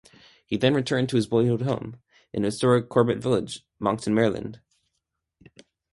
He then returned to his boyhood home in historic Corbett Village, Monkton, Maryland.